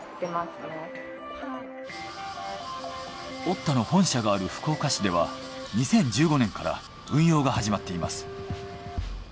ｏｔｔａの本社がある福岡市では２０１５年から運用が始まっています。